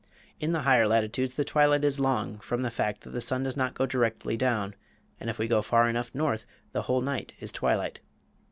In the higher latitudes the twilight is long, from the fact that the sun does not go directly down, and if we go far enough north the whole night is twilight.